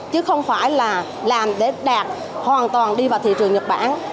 chứ không phải là làm để đạt hoàn toàn đi vào thị trường nhật bản